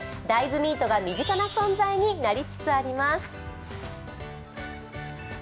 大豆ミートが身近な存在になりつつあります。